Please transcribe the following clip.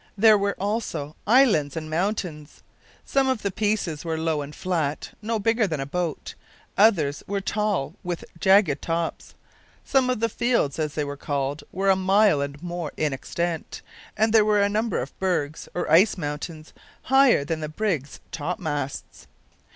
There were also islands and mountains! Some of the pieces were low and flat, no bigger than a boat; others were tall, with jagged tops; some of the fields, as they are called, were a mile and more in extent, and there were a number of bergs, or ice mountains, higher than the brig's topmasts.